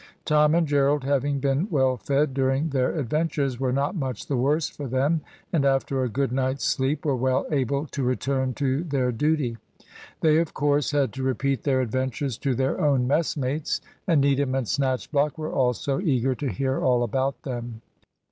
Tom and Gerald, having been well fed during their adventures, were not much the worse for them, and after a good night's sleep were well able to return to their duty. They of course had to repeat their adventures to their own messmates, and Needham and Snatchblock were also eager to hear all about them.